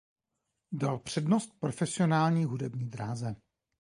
Dal přednost profesionální hudební dráze.